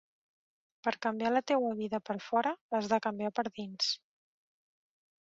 Per canviar la teua vida per fora has de canviar per dins.